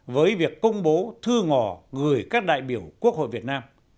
với việc công bố thư ngỏ gửi các đại biểu quốc hội việt nam